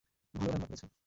ভালো রান্না করেছ।